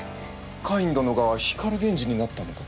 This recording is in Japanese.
カイン殿が光源氏になったのか？